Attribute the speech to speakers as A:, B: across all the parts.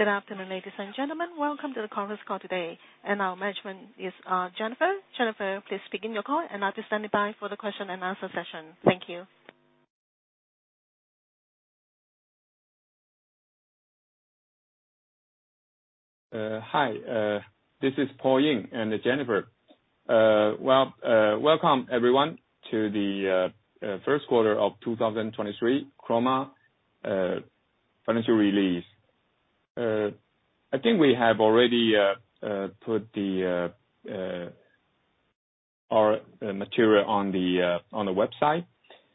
A: Good afternoon, ladies and gentlemen. Welcome to the conference call today. Our management is Jennifer. Jennifer, please begin your call and I'll be standing by for the question and answer session. Thank you.
B: Hi. This is Paul Ying and Jennifer. Welcome everyone to the first quarter of 2023 Chroma financial release. I think we have already put our material on the website.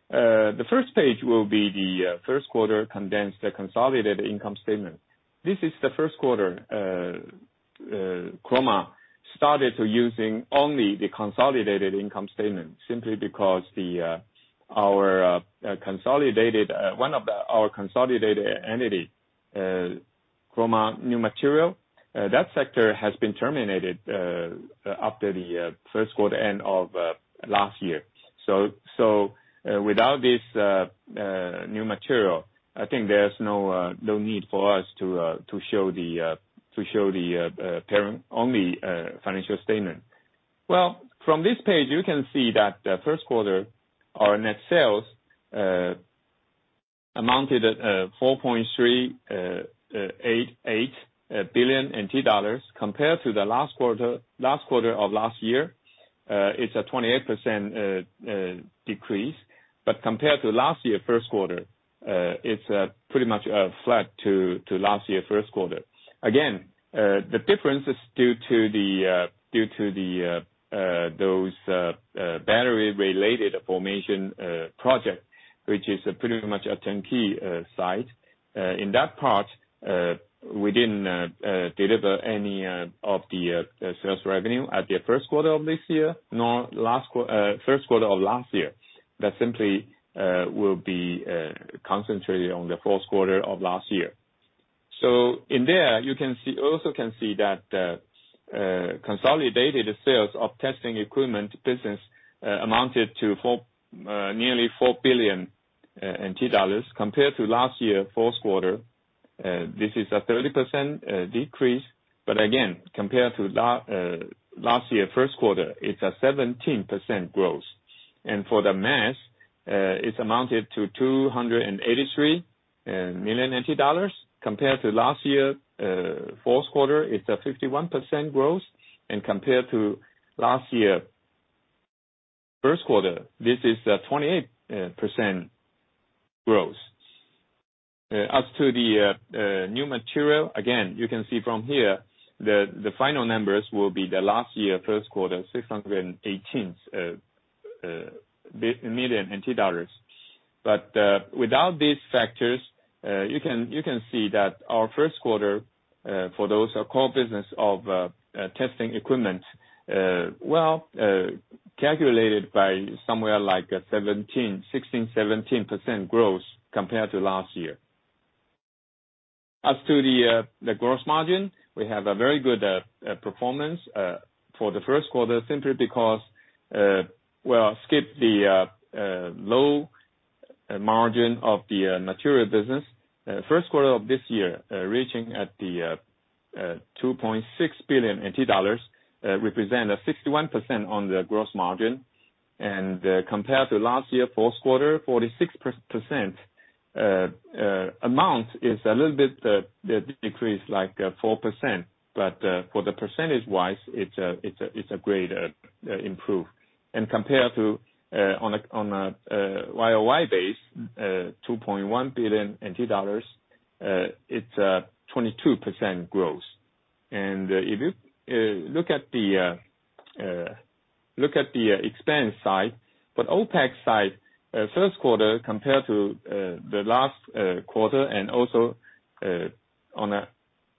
B: The first page will be the first quarter condensed consolidated income statement. This is the first quarter Chroma started to using only the consolidated income statement, simply because our consolidated entity, Chroma New Material, that sector has been terminated after the first quarter end of last year. Without this new material, I think there's no need for us to show the parent-only financial statement. Well, from this page, you can see that the first quarter, our net sales amounted at 4.388 billion NT dollars compared to the last quarter of last year. It's a 28% decrease. Compared to last year first quarter, it's pretty much flat to last year first quarter. Again, the difference is due to the those battery related formation project, which is pretty much a turnkey site. In that part, we didn't deliver any of the sales revenue at the first quarter of this year, nor first quarter of last year. That simply will be concentrated on the fourth quarter of last year. In there, you also can see that consolidated sales of testing equipment business amounted to nearly 4 billion NT dollars compared to last year fourth quarter. This is a 30% decrease, but again, compared to last year first quarter, it's a 17% growth. For the MAS, it's amounted to 283 million NT dollars. Compared to last year fourth quarter, it's a 51% growth. Compared to last year first quarter, this is a 28% growth. As to the new material, again, you can see from here the final numbers will be the last year first quarter, 618 million dollars. Without these factors, you can see that our first quarter, for those core business of testing equipment, calculated by somewhere like a 16%, 17% growth compared to last year. As to the gross margin, we have a very good performance for the first quarter simply because we'll skip the low margin of the material business. First quarter of this year, reaching at the 2.6 billion NT dollars, represent a 61% on the gross margin. Compared to last year fourth quarter, 46%. Amount is a little bit decreased, like 4%. For the percentage-wise, it's a great improve. Compared to on a YoY base, NTD 2.1 billion, it's a 22% growth. If you look at the expense side, OpEx side, first quarter compared to the last quarter and also on a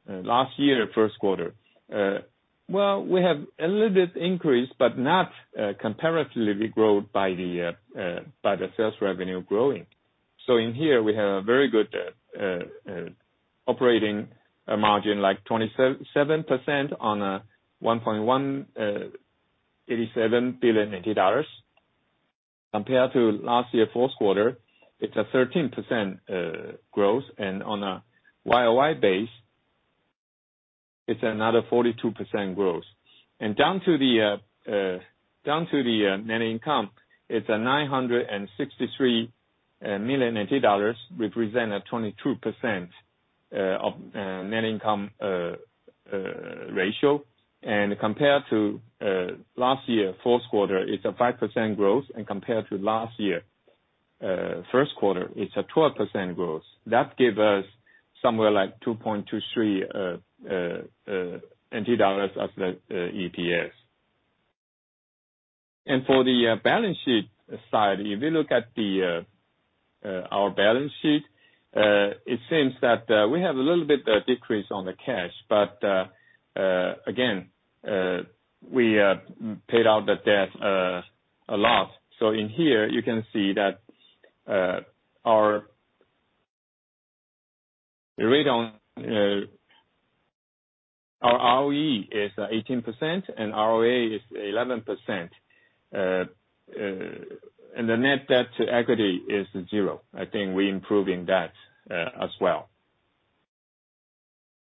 B: last year first quarter, well, we have a little bit increase but not comparatively growth by the sales revenue growing. In here, we have a very good operating margin, like 27% on a NTD 1.187 billion. Compared to last year fourth quarter, it's a 13% growth. On a YoY base, it's another 42% growth. Down to the net income, it's 963 million dollars, represent a 22% of net income ratio. Compared to last year fourth quarter, it's a 5% growth. Compared to last year first quarter, it's a 12% growth. That gave us somewhere like 2.23 NT dollars as the EPS. For the balance sheet side, if you look at our balance sheet, it seems that we have a little bit decrease on the cash. Again, we paid out the debt a lot. In here, you can see that Our ROE is 18% and ROA is 11%. And the net debt to equity is zero. I think we're improving that as well.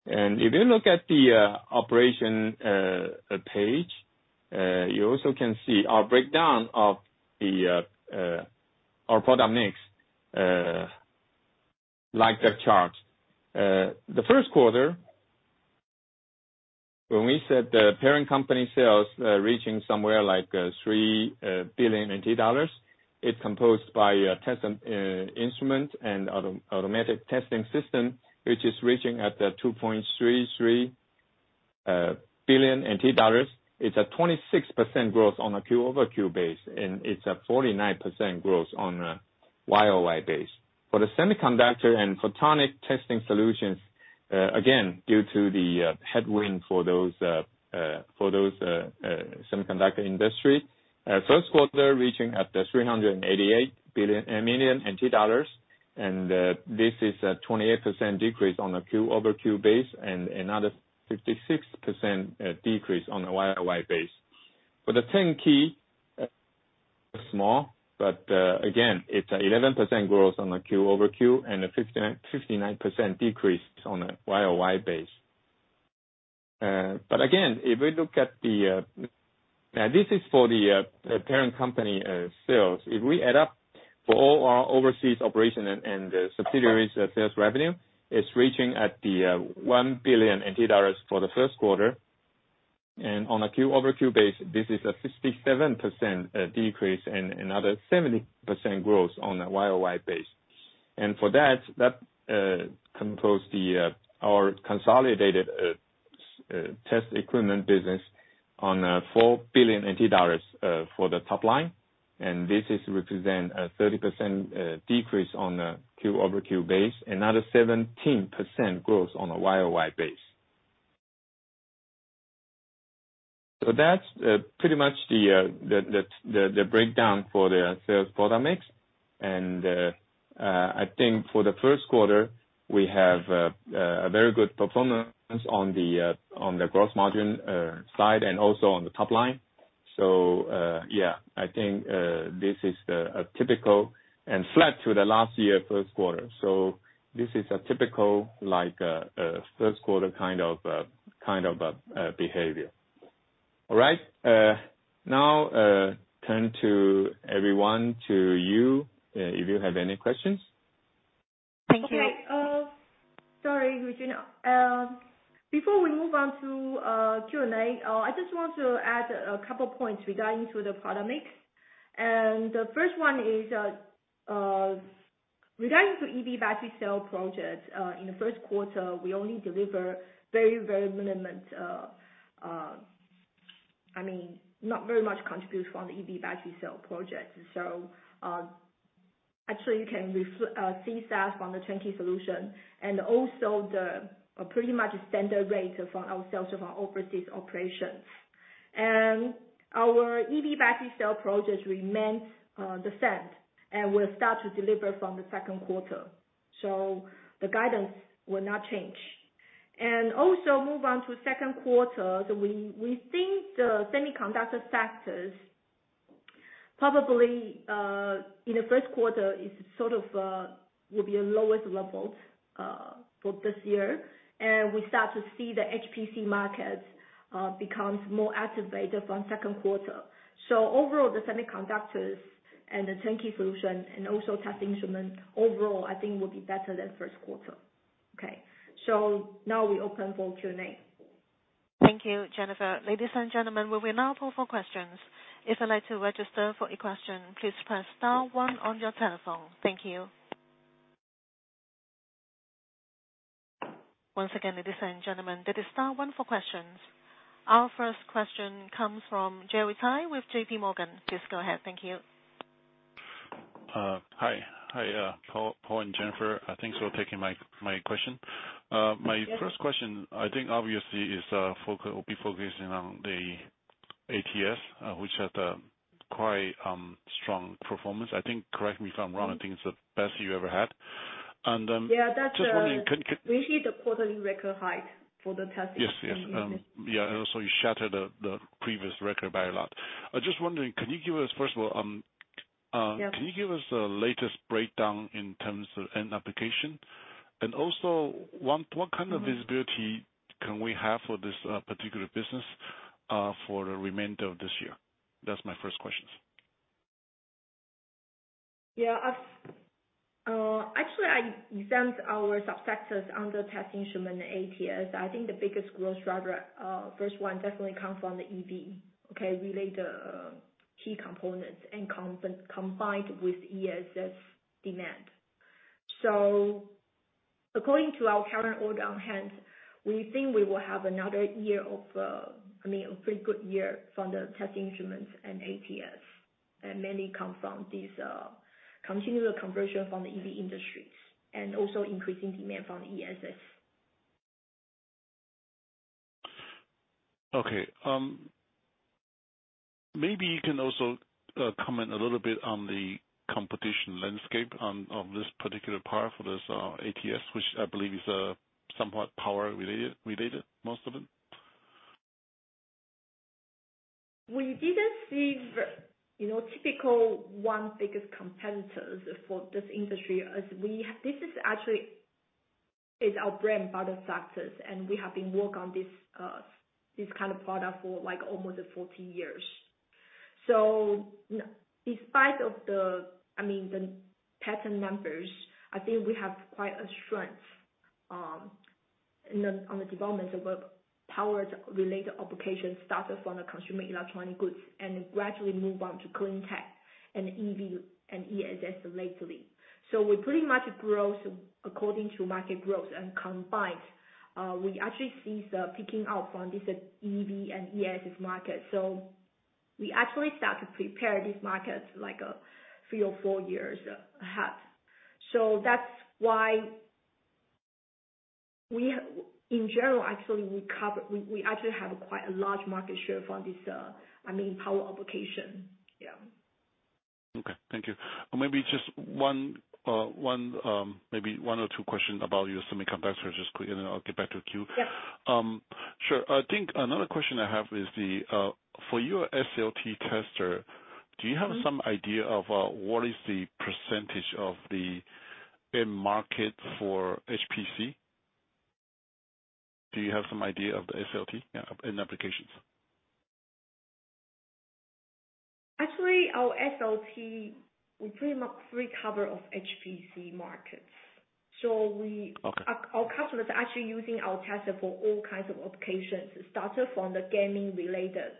B: And if you look at the operation page, you also can see our breakdown of our product mix, like the chart. The first quarter, when we said the parent company sales reaching somewhere like 3 billion dollars, it's composed by test and instrument and automatic testing system, which is reaching at 2.33 billion NT dollars. It's a 26% growth on a Q-over-Q base, and it's a 49% growth on a YoY base. For the semiconductor and photonic testing solutions, again, due to the headwind for those semiconductor industry, first quarter reaching at the 388 million. This is a 28% decrease on a Q-over-Q base and another 56% decrease on a YoY base. For the turn-key, small, but again, it's 11% growth on a Q-over-Q and a 59% decrease on a YoY base. But again, if we look at the... Now, this is for the parent company sales. If we add up for all our overseas operation and subsidiaries sales revenue, it's reaching at the 1 billion NT dollars for the first quarter. On a Q-over-Q base, this is a 67% decrease and another 70% growth on a YoY base. For that compose the our consolidated test equipment business on 4 billion NT dollars for the top line. This is represent a 30% decrease on a Q-over-Q base, another 17% growth on a YoY base. That's pretty much the breakdown for the sales product mix. I think for the first quarter, we have a very good performance on the on the growth margin side, and also on the top line. Yeah, I think this is a typical and flat to the last year, first quarter. This is a typical, like, a first quarter kind of, kind of, behavior. All right. Turn to everyone to you, if you have any questions.
A: Thank you.
C: Okay. Sorry, Regina. Before we move on to Q&A, I just want to add a couple points regarding to the product mix. The first one is regarding to EV battery cell projects. In the first quarter, we only deliver very, very minimum, I mean, not very much contribution from the EV battery cell project. Actually, you can see that from the turnkey solution and also the pretty much standard rate from our sales of our overseas operations. Our EV battery cell projects remained the same, and will start to deliver from the second quarter. The guidance will not change. Also move on to second quarter. We think the semiconductor factors probably in the first quarter is sort of will be at lowest levels for this year. We start to see the HPC markets becomes more activated from second quarter. Overall, the semiconductors and the turnkey solution and also testing instrument overall, I think will be better than first quarter. Now we open for Q&A.
A: Thank you, Jennifer. Ladies and gentlemen, we will now open for questions. If you'd like to register for a question, please press star one on your telephone. Thank you. Once again, ladies and gentlemen, that is star one for questions. Our first question comes from Jerry Cai with JPMorgan. Please go ahead. Thank you.
D: Hi, Paul and Jennifer. I thanks for taking my question.
C: Yes.
D: My first question, I think obviously is, will be focusing on the ATS, which had a quite strong performance. I think, correct me if I'm wrong, I think it's the best you ever had.
C: Yeah, that's.
D: Just wondering.
C: We hit a quarterly record height for the testing.
D: Yes. Yes. Yeah, and also you shattered the previous record by a lot. I just wondering, can you give us, first of all?
C: Yes.
D: Can you give us the latest breakdown in terms of end application? What kind of visibility can we have for this particular business for the remainder of this year? That's my first questions.
C: Yeah. Actually, I exempt our sub-sectors under testing instrument ATS. I think the biggest growth driver, first one definitely comes from the EV, okay, related, key components and combined with ESS demand. According to our current order on hand, we think we will have another year of, I mean, a pretty good year from the testing instruments and ATS, and mainly come from this continuous conversion from the EV industries and also increasing demand from the ESS.
D: Okay. Maybe you can also comment a little bit on the competition landscape on this particular part for this ATS, which I believe is somewhat power related most of it.
C: We didn't see the, you know, typical one biggest competitors for this industry. As this is actually is our brand by the factors, and we have been work on this kind of product for like almost 40 years. In spite of the, I mean, the patent numbers, I think we have quite a strength in the, on the development of our power related applications started from the consumer electronic goods and gradually move on to cleantech and EV and ESS lately. We pretty much growth according to market growth and combined, we actually see the picking up from this EV and ESS market. We actually start to prepare these markets like three or four years ahead. That's why we actually have quite a large market share from this, I mean power application. Yeah.
D: Okay. Thank you. Maybe just one, maybe one or two questions about your semiconductor just quick and then I'll get back to the queue.
C: Yeah.
D: Sure. I think another question I have is the for your SLT tester-
C: Mm-hmm.
D: Do you have some idea of what is the percentage of the end market for HPC? Do you have some idea of the SLT, yeah, in applications?
C: Actually, our SLT, we pretty much recover of HPC markets.
D: Okay.
C: Our customers are actually using our tester for all kinds of applications, started from the gaming related,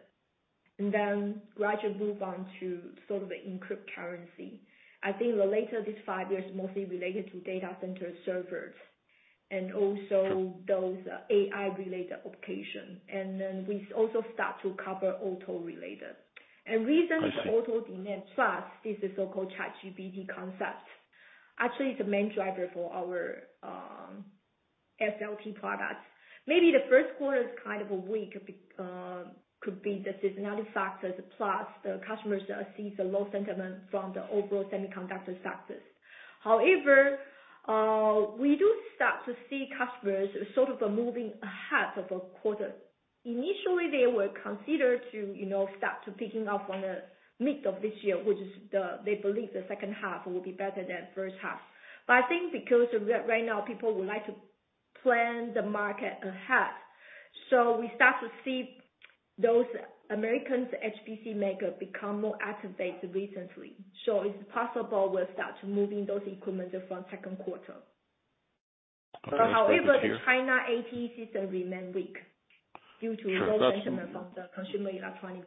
C: and then gradually move on to sort of the green energy. I think later this five years, mostly related to data center servers and also.
D: Sure.
C: those AI related application. We also start to cover auto related.
D: I see.
C: Recent end demand thrust is the so-called ChatGPT concept. Actually, it's the main driver for our SLT products. Maybe the first quarter is kind of weak, could be the seasonality factors, plus the customers see the low sentiment from the overall semiconductor sectors. However, we do start to see customers sort of moving ahead of a quarter. Initially, they were considered to, you know, start to picking up on the mid of this year, which is the, they believe the second half will be better than first half. I think because right now people would like to plan the market ahead, we start to see those Americans HPC maker become more activated recently. It's possible we'll start moving those equipments from second quarter.
D: I understand.
C: The Chroma ATE system remain weak due to low sentiment from the consumer electronic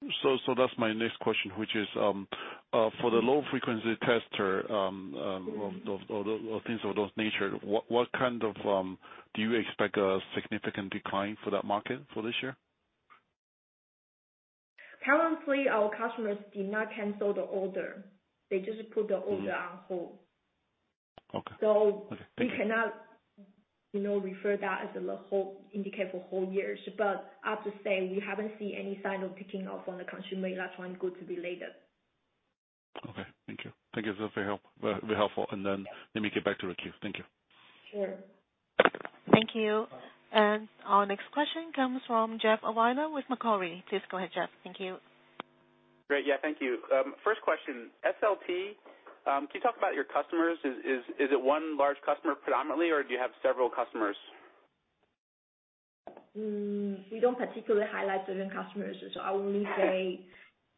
C: goods.
D: That's my next question, which is for the low frequency tester, of those things of those nature, what kind of, do you expect a significant decline for that market for this year?
C: Currently, our customers did not cancel the order. They just put the order on hold.
D: Okay.
C: We cannot, you know, refer that as a whole indicator for whole years. As to say, we haven't seen any sign of picking up on the consumer electronic goods related.
D: Okay. Thank you. Thank you. That's very helpful. Then let me get back to the queue. Thank you.
C: Sure.
A: Thank you. Our next question comes from Jeff Owino with Macquarie. Please go ahead, Jeff. Thank you.
E: Great. Yeah. Thank you. first question. SLT, can you talk about your customers? Is it one large customer predominantly, or do you have several customers?
C: We don't particularly highlight certain customers, so I will only say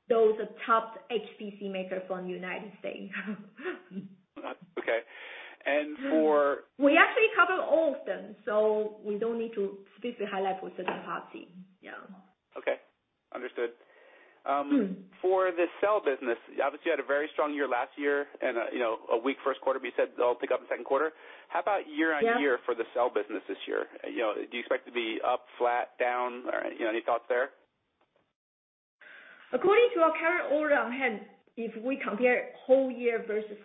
C: those are top HPC maker from United States.
E: Okay.
C: We actually cover all of them, so we don't need to specifically highlight with certain party. Yeah.
E: Okay. Understood.
C: Mm.
E: For the cell business, obviously you had a very strong year last year and, you know, a weak first quarter, but you said they'll pick up in the second quarter. How about year-on-year for the cell business this year? You know, do you expect to be up, flat, down? You know, any thoughts there?
C: According to our current order on hand, if we compare whole year versus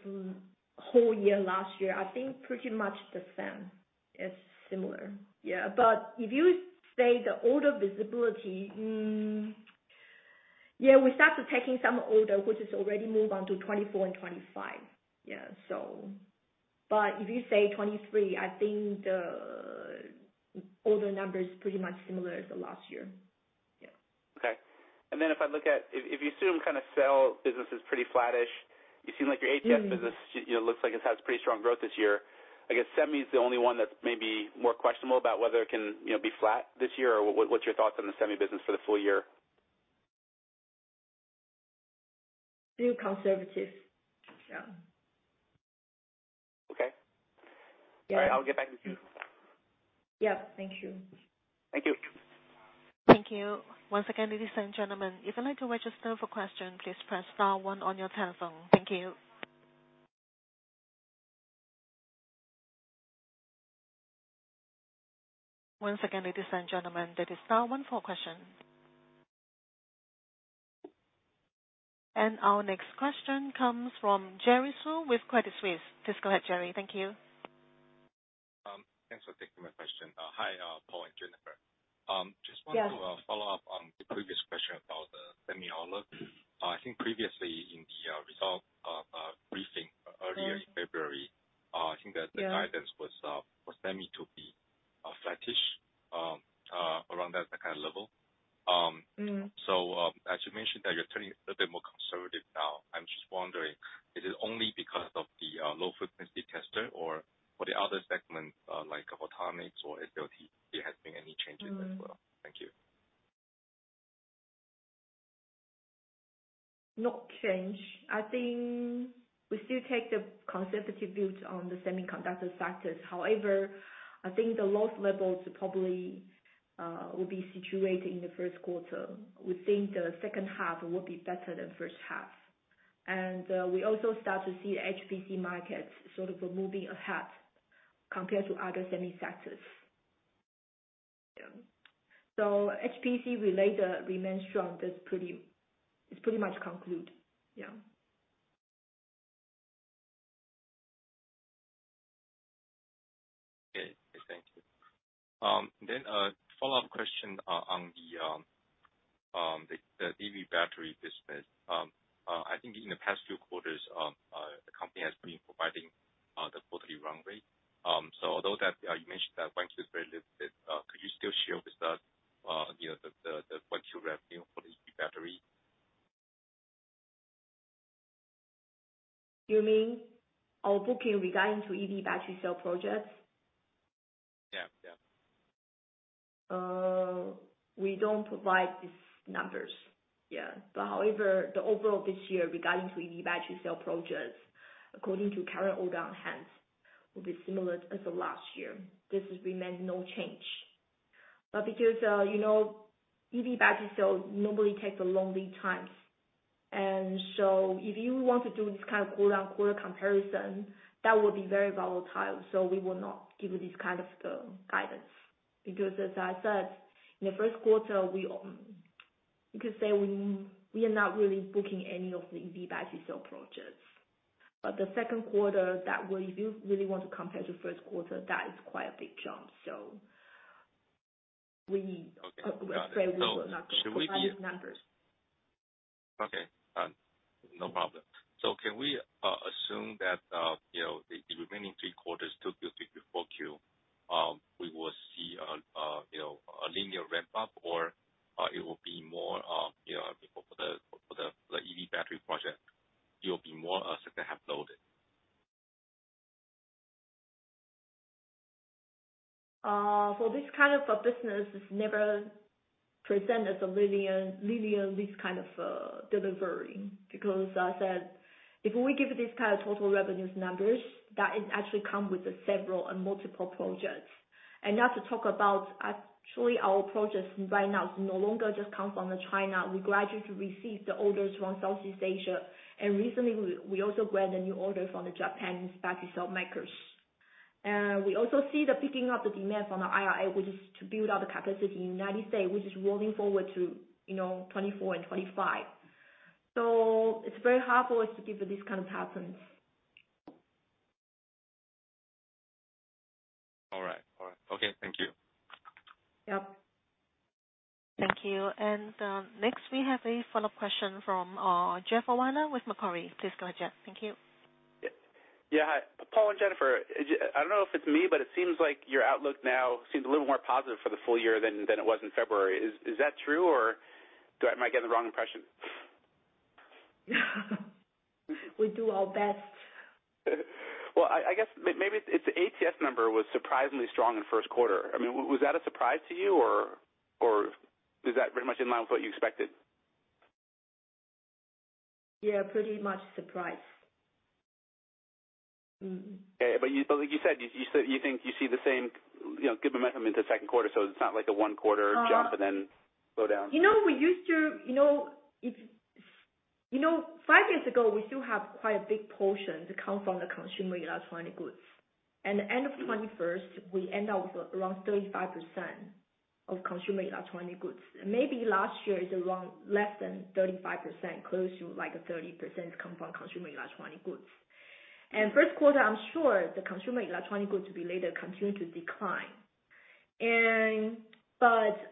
C: whole year last year, I think pretty much the same. It's similar. Yeah. If you say the order visibility, yeah, we start to taking some order which is already moved on to 2024 and 2025. Yeah. If you say 2023, I think the order number is pretty much similar as the last year. Yeah.
E: If I look at, if you assume kind of cell business is pretty flattish, you seem like your ATS business, you know, looks like it has pretty strong growth this year. I guess semi is the only one that's maybe more questionable about whether it can, you know, be flat this year or what's your thoughts on the semi business for the full-year?
C: Pretty conservative. Yeah.
E: Okay.
C: Yeah.
E: All right. I'll get back to the queue.
C: Yeah. Thank you.
E: Thank you.
A: Thank you. Once again, ladies and gentlemen, if you'd like to register for question, please press star one on your telephone. Thank you. Once again, ladies and gentlemen, that is star one for question. Our next question comes from Jerry Su with Credit Suisse. Please go ahead, Jerry. Thank you.
F: Thanks for taking my question. Hi, Paul and Jennifer.
C: Yeah.
F: follow up on the previous question about the semi outlook. I think previously in the result briefing earlier in February.
C: Yeah.
F: The guidance was semi to be flattish, around that kind of level.
C: Mm-hmm.
F: As you mentioned that you're turning a bit more conservative now, I'm just wondering, is it only because of the low frequency tester or, for the other segments, like photonics or SLT, there has been any changes as well? Thank you.
C: No change. I think we still take the conservative view on the semiconductor sectors. However, I think the loss levels probably will be situated in the first quarter. We think the second half will be better than first half. We also start to see HPC markets sort of moving ahead compared to other semi sectors. Yeah. HPC related remains strong. It's pretty much conclude. Yeah.
F: Okay. Thank you. A follow-up question on the EV battery business. I think in the past few quarters, the company has been providing the quarterly run rate. Although that you mentioned that one is very limited, could you still share with us, you know, the actual revenue for the EV battery?
C: You mean our booking regarding to EV battery cell projects?
F: Yeah. Yeah.
C: We don't provide these numbers. Yeah. However, the overall this year regarding to EV battery cell projects, according to current order on hand, will be similar as of last year. This has remained no change. Because, you know, EV battery cell normally takes a long lead times. If you want to do this kind of quarter-on-quarter comparison, that would be very volatile, so we will not give you this kind of guidance. As I said, in the first quarter, we, you could say we are not really booking any of the EV battery cell projects. The second quarter, that will... If you really want to compare to first quarter, that is quite a big jump.
F: Okay. Got it.
C: I'm afraid we will not give you those numbers.
F: No problem. Can we assume that, you know, the remaining three quarters, two, three, 4Q, we will see a, you know, a linear ramp up or it will be more, you know, for the EV battery project, it will be more a second half loaded?
C: For this kind of a business, it's never presented as a linear list kind of delivery, because as I said, if we give this kind of total revenues numbers, that it actually come with several and multiple projects. Not to talk about actually our projects right now no longer just come from the China. We gradually receive the orders from Southeast Asia. Recently we also grabbed a new order from the Japanese battery cell makers. We also see the picking up the demand from the IRA, which is to build out the capacity in United States, which is rolling forward to, you know, 2024 and 2025. It's very hard for us to give you this kind of patterns.
F: All right. All right. Okay, thank you.
C: Yep.
A: Thank you. Next we have a follow-up question from Jeff Owino with Macquarie. Please go ahead, Jeff. Thank you.
E: Yeah. Hi, Paul and Jennifer. I don't know if it's me, but it seems like your outlook now seems a little more positive for the full-year than it was in February. Is that true or do I might get the wrong impression?
C: We do our best.
E: Well, I guess maybe it's the ATS number was surprisingly strong in first quarter. I mean, was that a surprise to you or is that pretty much in line with what you expected?
C: Yeah, pretty much surprised.
E: Okay. You, but like you said, you said you think you see the same, you know, good momentum into second quarter, so it's not like a one quarter jump and then slow down.
C: You know, five years ago, we still have quite a big portion to come from the consumer electronic goods. End of the 2021, we end up with around 35% of consumer electronic goods. Maybe last year is around less than 35%, close to like a 30% come from consumer electronic goods. First quarter, I'm sure the consumer electronic goods will be later continue to decline.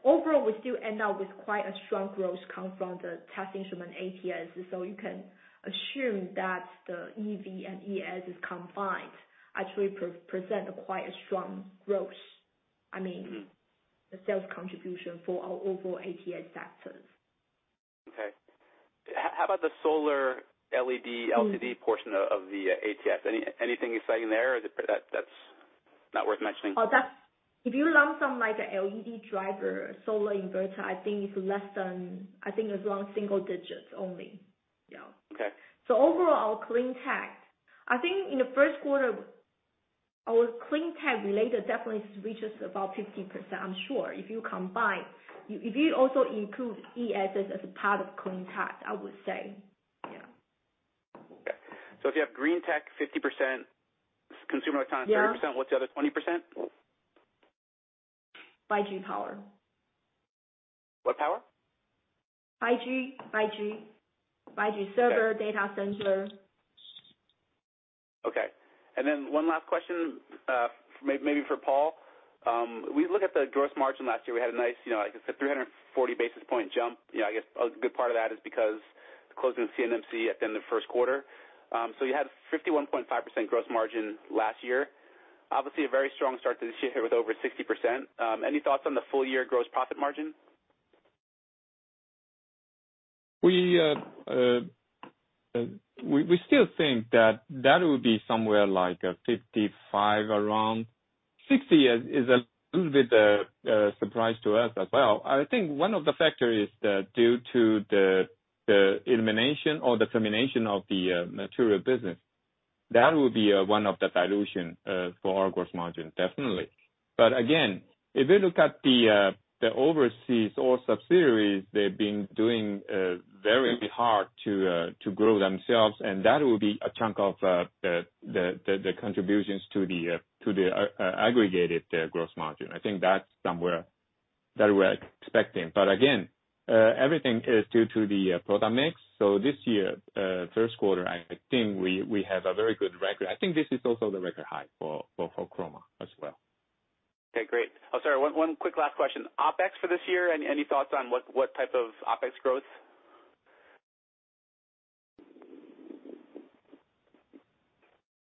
C: Overall, we still end up with quite a strong growth come from the test instrument ATS. You can assume that the EV and ESS is combined actually present quite a strong growth. I mean.
E: Mm-hmm.
C: the sales contribution for our overall ATS sectors.
E: Okay. How about the solar LED, LCD portion of the ATS? Anything exciting there or that's not worth mentioning?
C: If you learn from like a LED driver solar inverter, I think it's less than, around single digits only. Yeah.
E: Okay.
C: Overall, our cleantech, I think in the first quarter, our cleantech related definitely reaches about 50%. I'm sure if you combine, if you also include ES as a part of cleantech, I would say. Yeah.
E: Okay. If you have cleantech 50%, consumer electronics 30%...
C: Yeah.
E: What's the other 20%?
B: 5G power.
E: What power?
C: 5G.
E: Okay.
C: 5G server data center.
E: Okay. One last question, maybe for Paul. We look at the gross margin last year, we had a nice, you know, I guess a 340 basis point jump. You know, I guess a good part of that is because the closing of CNMC at the end of the first quarter. You had a 51.5% gross margin last year. Obviously, a very strong start to this year with over 60%. Any thoughts on the full-year gross profit margin?
B: We still think that that will be somewhere like 55%, around. 60% is a little bit surprise to us as well. I think one of the factor is the due to the elimination or the termination of the material business. That will be one of the dilution for our gross margin, definitely. Again, if you look at the overseas or subsidiaries, they've been doing very hard to grow themselves, and that will be a chunk of the contributions to the aggregated gross margin. I think that's somewhere that we're expecting. Again, everything is due to the product mix. This year, first quarter, I think we have a very good record. I think this is also the record high for Chroma as well.
E: Okay, great. Oh, sorry, one quick last question. OpEx for this year, any thoughts on what type of OpEx growth?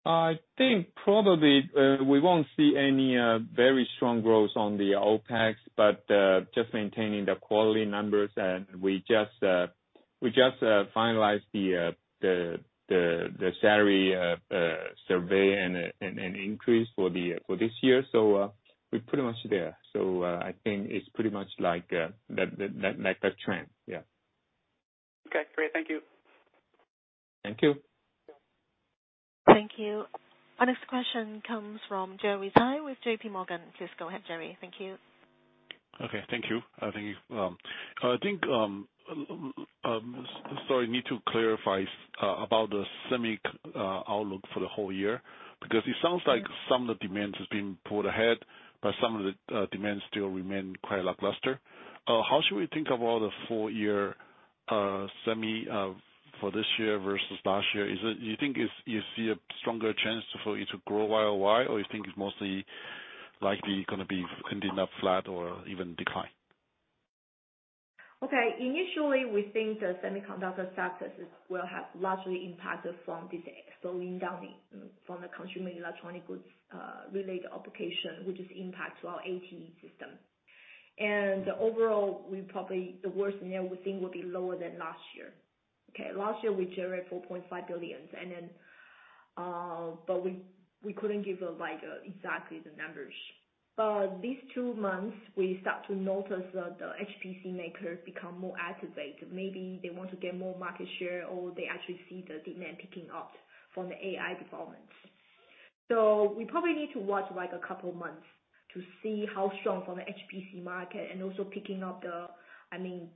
B: I think probably, we won't see any very strong growth on the OpEx, but just maintaining the quality numbers. We just finalized the salary survey and increase for this year, we're pretty much there. I think it's pretty much like that trend, yeah.
E: Okay, great. Thank you.
B: Thank you.
A: Thank you. Our next question comes from Jerry Cai with JPMorgan. Please go ahead, Jerry. Thank you.
G: Okay, thank you. Thank you. I think, sorry, need to clarify about the semi outlook for the whole year, because it sounds like some of the demands has been pulled ahead, but some of the demands still remain quite lackluster. How should we think about the full-year semi for this year versus last year? Do you think it's you see a stronger chance for it to grow YoY, or you think it's mostly likely gonna be ending up flat or even decline?
C: Initially, we think the semiconductor sectors will have largely impacted from this slowing down from the consumer electronic goods, related application, which is impact to our ATE system. Overall, the worst we think will be lower than last year. Last year we generated 4.5 billion, we couldn't give a, like, exactly the numbers. These two months we start to notice that the HPC makers become more activated. Maybe they want to get more market share, or they actually see the demand picking up from the AI development. We probably need to watch, like, a couple months to see how strong from the HPC market and also picking up the... I mean,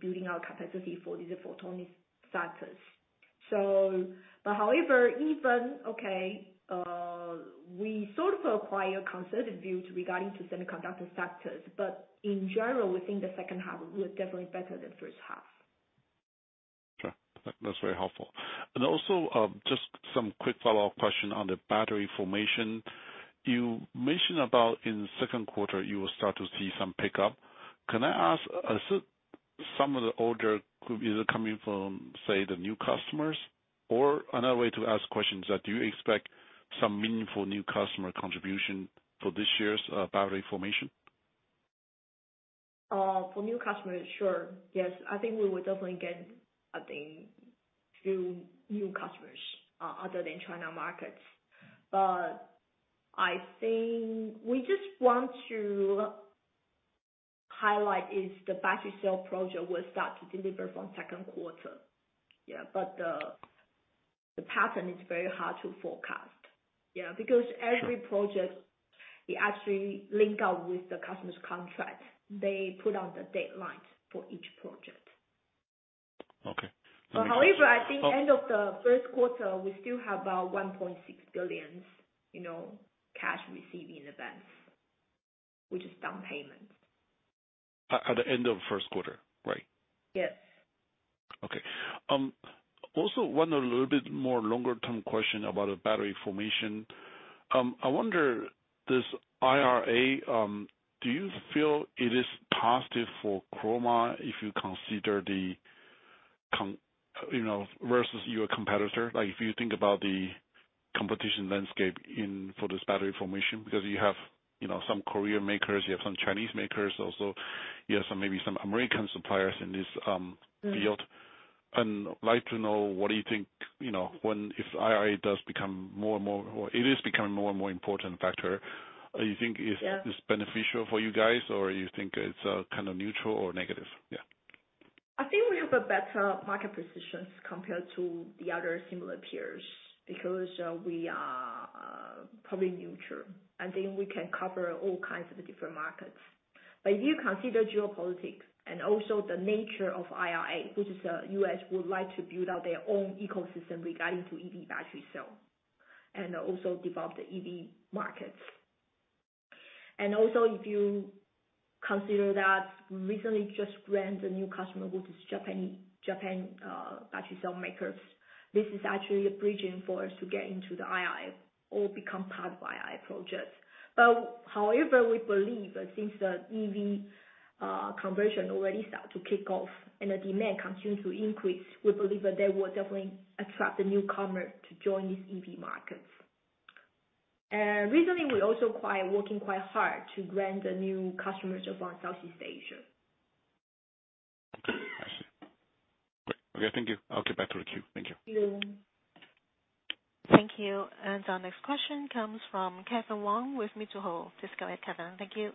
C: building our capacity for these photonics sectors. However, even okay, we sort of acquire a conservative view to regarding to semiconductor sectors, but in general, we think the second half will look definitely better than first half.
D: Sure. That's very helpful. Just some quick follow-up question on the battery formation. You mentioned about in the second quarter you will start to see some pickup. Can I ask, some of the order could either coming from, say, the new customers? Another way to ask questions, that do you expect some meaningful new customer contribution for this year's battery formation?
C: For new customers, sure. Yes. I think we will definitely get, I think, few new customers other than China markets. I think we just want to highlight is the battery cell project will start to deliver from second quarter. Yeah. The pattern is very hard to forecast, you know, because every project, it actually link up with the customer's contract. They put on the deadlines for each project.
D: Okay.
C: I think end of the first quarter, we still have about 1.6 billion, you know, cash received in advance, which is down payment.
D: At the end of first quarter, right?
C: Yes.
D: Okay. Also wonder a little bit more longer term question about a battery formation. I wonder this IRA, do you feel it is positive for Chroma if you consider, you know, versus your competitor? Like if you think about the competition landscape in, for this battery formation, because you have, you know, some Korean makers, you have some Chinese makers also. You have some, maybe some American suppliers in this field. Like to know, what do you think, you know, when, it is becoming more and more important factor, you think if.
C: Yeah.
D: it's beneficial for you guys, or you think it's kind of neutral or negative? Yeah.
C: I think we have a better market positions compared to the other similar peers because we are probably neutral, and then we can cover all kinds of different markets. If you consider geopolitics and also the nature of IRA, which is U.S. would like to build out their own ecosystem regarding to EV battery cell. Also develop the EV markets. Also, if you consider that recently just grant the new customer, which is Japan battery cell makers, this is actually a bridging for us to get into the II or become part of II projects. However, we believe that since the EV conversion already start to kick off and the demand continues to increase, we believe that they will definitely attract the newcomer to join these EV markets. Recently we also working quite hard to grant the new customers of Southeast Asia.
F: Okay. I see. Okay. Thank you. I'll get back to the queue. Thank you.
C: Thank you.
A: Thank you. Our next question comes from Kevin Wang with Mizuho. Just go ahead, Kevin. Thank you.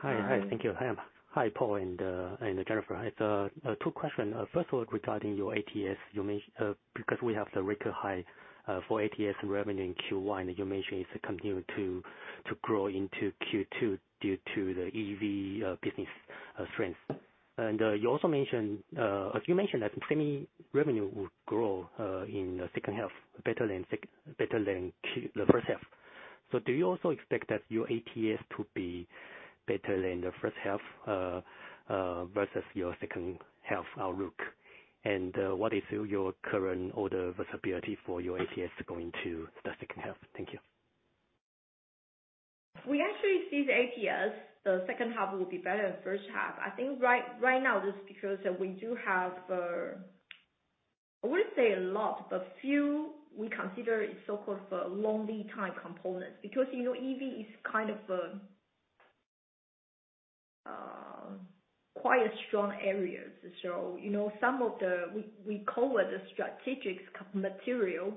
G: Hi. Hi. Thank you. Hi. Hi, Paul and Jennifer. I have two questions. First of all, regarding your ATS, you mentioned because we have the record high for ATS revenue in Q1, you mentioned it's continuing to grow into Q2 due to the EV business strength. You also mentioned that semi revenue will grow in the second half better than the first half. Do you also expect that your ATS to be better than the first half versus your second half outlook? What is your current order visibility for your ATS going to the second half? Thank you.
C: We actually see the ATS, the second half will be better than first half. I think right now just because we do have, I wouldn't say a lot, but few we consider it so-called long lead time components. You know, EV is kind of quite a strong areas. You know, we call it the strategic material,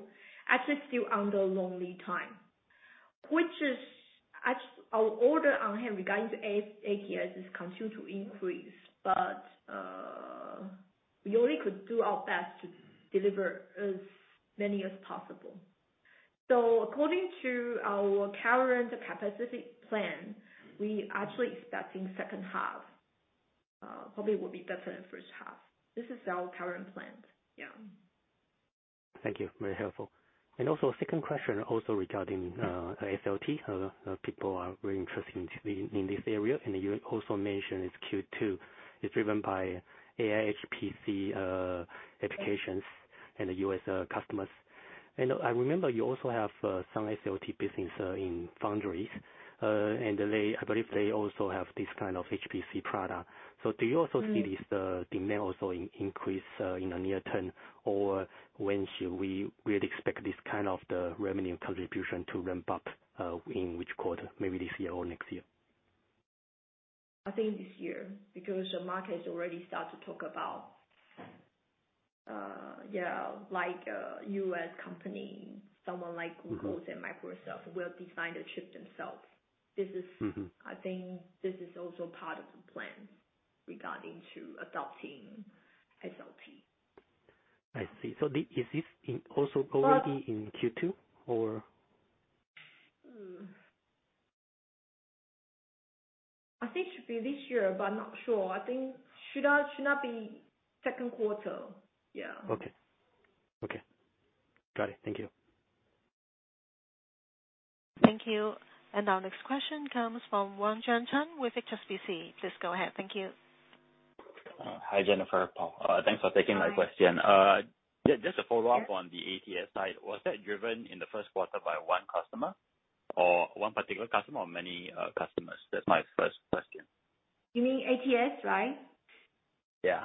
C: actually still under long lead time, which is actually our order on hand regarding ATS is continue to increase. We only could do our best to deliver as many as possible. According to our current capacity plan, we actually expecting second half probably will be better than first half. This is our current plan. Yeah.
G: Thank you. Very helpful. Also second question also regarding SLT. People are very interested in this area, and you also mentioned it's Q2 is driven by AI HPC applications and US customers. I remember you also have some SLT business in foundries, and they, I believe they also have this kind of HPC product. Do you also see this demand also increase in the near term? When should we really expect this kind of the revenue contribution to ramp up in which quarter, maybe this year or next year?
C: I think this year, because the market is already start to talk about, like, U.S. company, someone like Google and Microsoft will design the chip themselves.
G: Mm-hmm.
C: I think this is also part of the plan regarding to adopting SLT.
G: I see. Is this in also already in Q2 or?
C: I think it should be this year. Not sure. I think should not be second quarter. Yeah.
G: Okay. Okay. Got it. Thank you.
A: Thank you. Our next question comes from Wang Jiangcheng with HSBC. Please go ahead. Thank you.
H: Hi, Jennifer, Paul. Thanks for taking my question. Just a follow-up on the ATS side. Was that driven in the first quarter by one customer or one particular customer or many customers? That's my first question.
C: You mean ATS, right?
H: Yeah.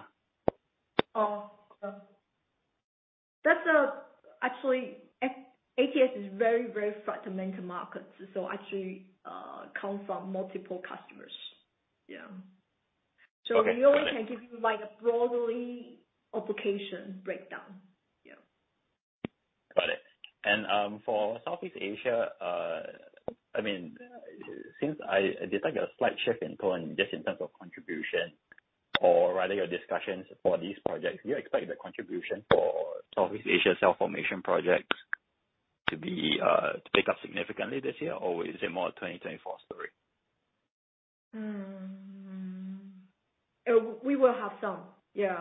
C: That's actually ATS is very fragmented market. Actually, come from multiple customers. Yeah.
H: Okay. Got it.
C: We only can give you like a broadly application breakdown. Yeah.
H: Got it. For Southeast Asia, I mean, since I detect a slight shift in tone just in terms of contribution or rather your discussions for these projects, do you expect the contribution for Southeast Asia cell formation projects to be to pick up significantly this year, or is it more a 2024 story?
C: We will have some, yeah.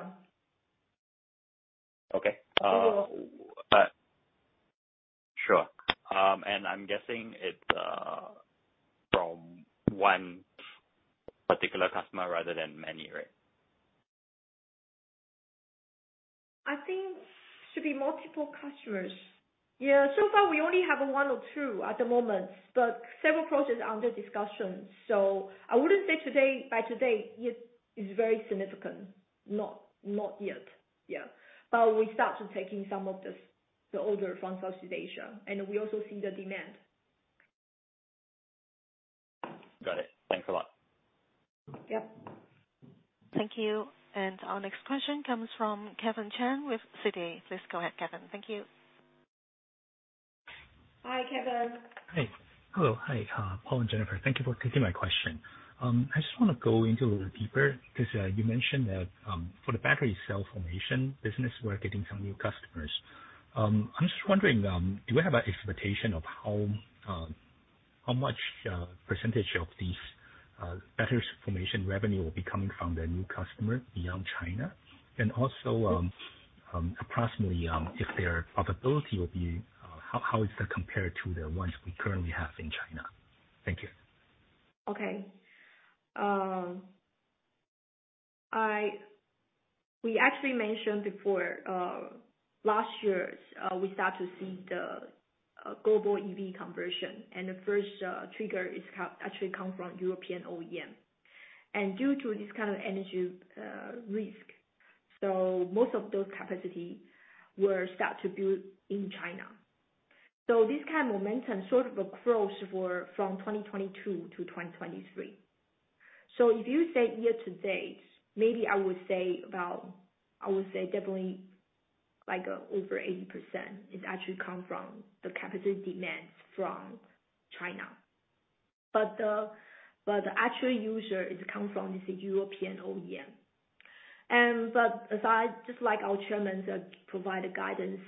H: Okay. sure. I'm guessing it's, from one particular customer rather than many, right?
C: I think should be multiple customers. Yeah. Far we only have one or two at the moment, but several projects under discussion, so I wouldn't say today, by today it is very significant. Not yet. Yeah. We start to taking some of this, the order from Southeast Asia, and we also see the demand.
H: Got it. Thanks a lot.
C: Yeah.
A: Thank you. Our next question comes from Kevin Chen with Citi. Please go ahead, Kevin. Thank you.
C: Hi, Kevin.
I: Hey. Hello. Hi, Paul and Jennifer. Thank you for taking my question. I just wanna go into a little deeper, because you mentioned that for the battery cell formation business, we're getting some new customers. I'm just wondering, do we have an expectation of how much percentage of these batteries formation revenue will be coming from the new customer beyond China? Approximately, if their profitability will be, how is that compared to the ones we currently have in China? Thank you.
C: Okay. We actually mentioned before, last year's, we start to see the global EV conversion, and the first trigger is actually come from European OEM. Due to this kind of energy risk, so most of those capacity were start to build in China. This kind of momentum sort of across for, from 2022 to 2023. If you say year-to-date, maybe I would say about, I would say definitely like over 80% is actually come from the capacity demands from China. The actual user is come from the European OEM. As I, just like our Chairman said, provide a guidance,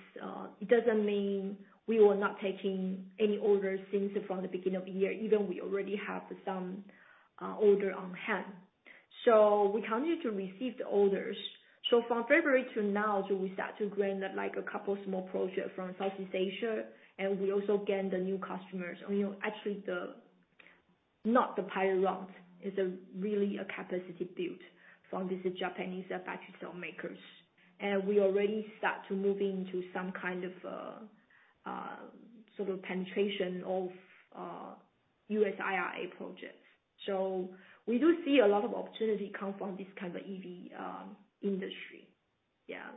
C: it doesn't mean we were not taking any orders since from the beginning of the year, even we already have some order on hand. We continue to receive the orders. From February to now, we start to grant like a couple small project from Southeast Asia, and we also gain the new customers. You know, actually the, not the pilot route. It's a really a capacity build from this Japanese battery cell makers. We already start to move into some kind of sort of penetration of U.S. IRA projects. We do see a lot of opportunity come from this kind of EV industry. Yeah.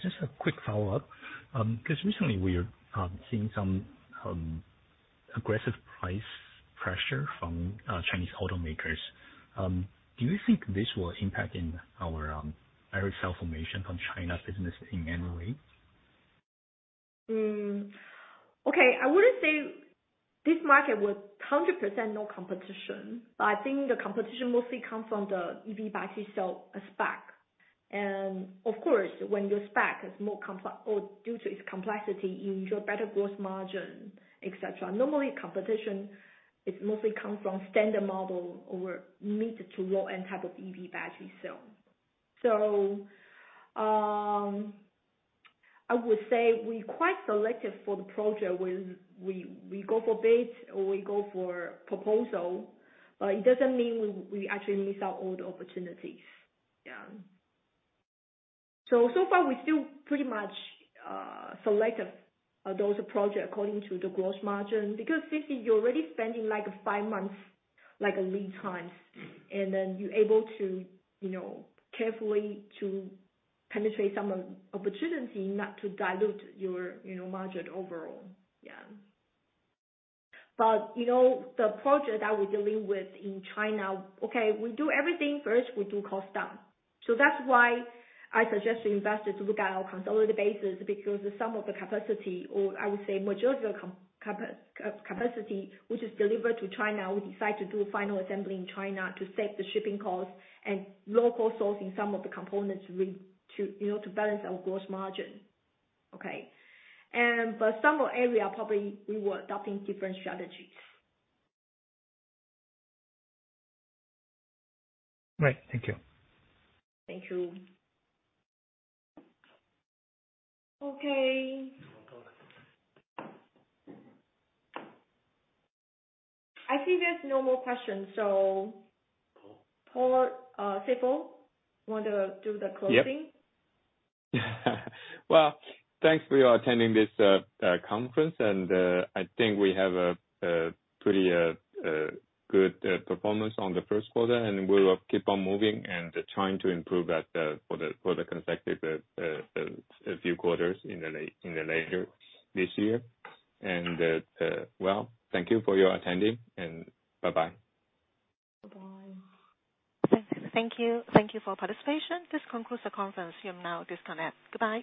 I: Just a quick follow-up. 'Cause recently we're seeing some aggressive price pressure from Chinese automakers. Do you think this will impact in our cell formation from China business in any way?
C: Okay. I wouldn't say this market was 100% no competition, but I think the competition mostly come from the EV battery cell spec. Of course, when your spec is more due to its complexity, you enjoy better gross margin, et cetera. Normally, competition is mostly come from standard model or mid to low-end type of EV battery cell. I would say we quite selective for the project when we go for bid or we go for proposal, but it doesn't mean we actually miss out all the opportunities. Yeah. So far we're still pretty much selective of those project according to the gross margin. Basically, you're already spending like five months, like a lead time, and then you're able to, you know, carefully to penetrate some opportunity not to dilute your, you know, margin overall. Yeah. You know, the project that we're dealing with in China, okay, we do everything. First, we do cost down. That's why I suggest to investors to look at our consolidated basis, because some of the capacity, or I would say majority of the capacity which is delivered to China, we decide to do final assembly in China to save the shipping cost and local sourcing some of the components to, you know, to balance our gross margin. Okay? Some area probably we were adopting different strategies.
I: Right. Thank you.
C: Thank you. Okay. I think there's no more questions. Paul, CFO, want to do the closing?
B: Yep. Well, thanks for your attending this conference. I think we have a pretty good performance on the first quarter, and we'll keep on moving and trying to improve for the consecutive few quarters in the later this year. Well, thank you for your attending, and bye-bye. Bye-bye.
A: Thank you. Thank you for participation. This concludes the conference. You may now disconnect. Goodbye.